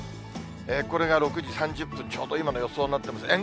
これが６時３０分、ちょうど今の予想になってます。